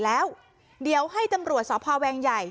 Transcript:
แล้วเดี๋ยวให้ตำรวจสพแวงใหญ่